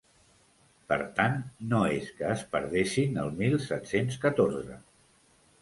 Per tant, no és que es perdessin el mil set-cents catorze.